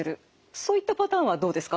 そういったパターンはどうですか？